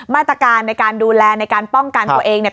มาตรการในการดูแลในการป้องกันตัวเองเนี่ย